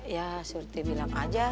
ya surti bilang aja